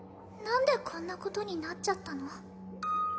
何でこんなことになっちゃったの？